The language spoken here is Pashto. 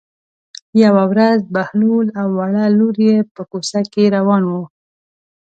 یوه ورځ بهلول او وړه لور یې په کوڅه کې روان وو.